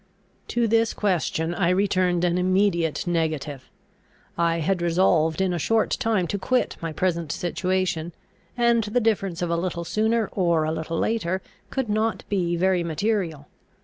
To this question I returned an immediate negative. I had resolved in a short time to quit my present situation, and the difference of a little sooner or a little later could not be very material.